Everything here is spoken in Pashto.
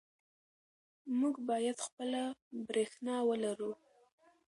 موږ باید خپله برښنا ولرو.